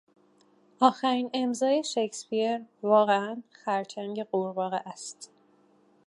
آخرین امضای شکسپیر واقعا خرچنگ قورباغه است.